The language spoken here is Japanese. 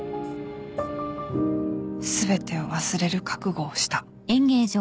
全てを忘れる覚悟をした。